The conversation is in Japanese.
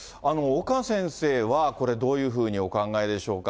岡先生はこれどういうふうにお考えでしょうか。